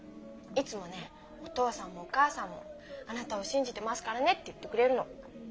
いつもねお父さんもお母さんも「あなたを信じてますからね」って言ってくれるの。